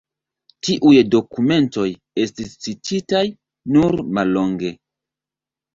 Tiuj dokumentoj estis cititaj nur mallonge.